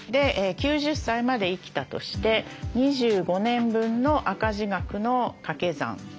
９０歳まで生きたとして２５年分の赤字額のかけ算。